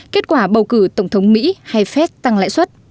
kết quả bầu cử tổng thống mỹ hay phép tăng lãi xuất